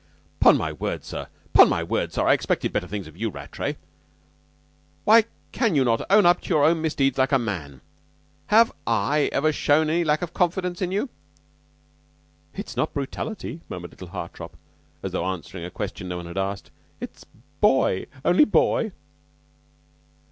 "Upon my word, sir, upon my word, sir, I expected better things of you, Rattray. Why can you not own up to your misdeeds like a man? Have I ever shown any lack of confidence in you?" ("It's not brutality," murmured little Hartopp, as though answering a question no one had asked. "It's boy; only boy.")